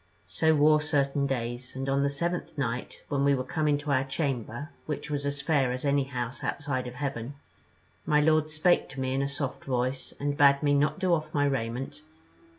"So wore certain days; and on the seventh night, when we were come into our chamber, which was a fair as any house outside of heaven, my lord spake to me in a soft voice, and bade me not do off my raiment.